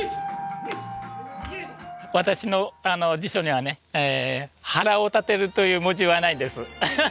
私の辞書にはね「腹を立てる」という文字はないです。